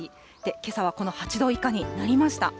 けさはこの８度以下になりました。